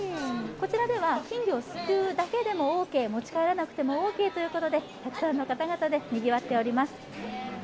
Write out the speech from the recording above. こちらでは金魚をすくうだけでもオーケー、持ち帰らなくてもオーケーということで、たくさんの方々で賑わっております。